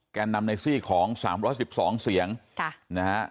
แกนำในซี่ของสามร้อยสิบสองเสียงค่ะนะฮะ